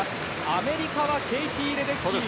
アメリカはケイティ・レデッキー。